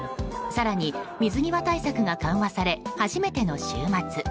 更に水際対策が緩和され初めての週末。